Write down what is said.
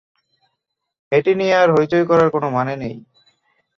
এটি নিয়ে আর হৈচৈ করার কোনো মানে নেই।